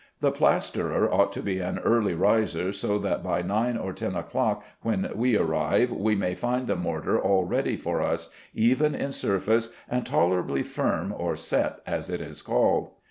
The plasterer ought to be an early riser, so that by nine or ten o'clock when we arrive we may find the mortar all ready for us, even in surface, and tolerably firm or "set" as it is called.